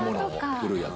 古いやつ？